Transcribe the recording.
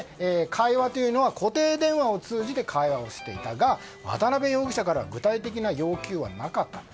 会話というのは固定電話を通じて会話をしていたが渡辺容疑者から具体的な要求はなかった。